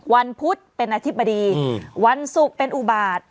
พุธเป็นอธิบดีวันศุกร์เป็นอุบาต